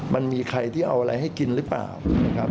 มันมีใครที่เอาอะไรให้กินหรือเปล่านะครับ